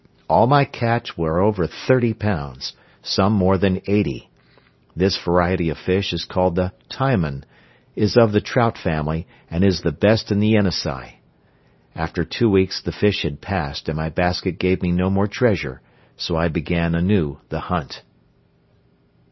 All my catch were over thirty pounds, some more than eighty. This variety of fish is called the taimen, is of the trout family and is the best in the Yenisei. After two weeks the fish had passed and my basket gave me no more treasure, so I began anew the hunt.